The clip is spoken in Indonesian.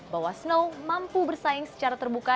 bahwa snow mampu bersaing secara terbuka